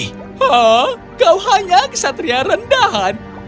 hah kau hanya kesatria rendahan